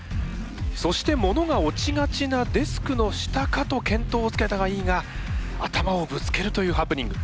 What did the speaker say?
そしてものが落ちがちなデスクの下かと見当をつけたはいいが頭をぶつけるというハプニング。